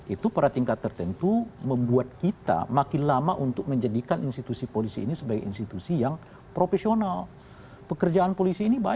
itu pada tingkat tertentu membuat kita makin lama untuk menjadikan institusi polisi ini sebagai institusi yang profesional